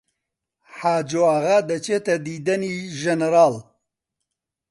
حاجۆ ئاغا دەچێتە دیدەنی ژنەراڵ